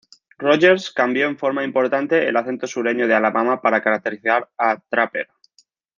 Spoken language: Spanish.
Rogers cambió en forma importante el acento sureño de Alabama para caracterizar a Trapper.